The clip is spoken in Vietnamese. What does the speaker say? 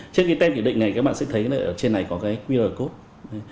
trên cái tem kiểm định này các bạn sẽ thấy trên này có cái qr code